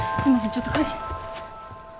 ちょっと会社。